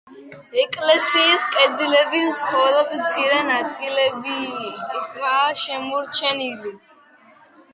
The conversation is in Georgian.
ეკლესიის კედლების მხოლოდ მცირე ნაწილებიღაა შემორჩენილი.